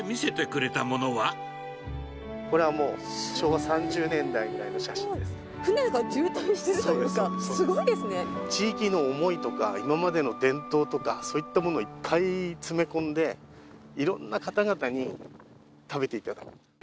これはもう、船が渋滞しているというか、地域の思いとか、今までの伝統とか、そういったものをいっぱい詰め込んで、いろんな方々に食べていただきたい。